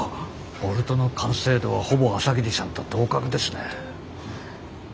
ボルトの完成度はほぼ朝霧さんと同格ですね。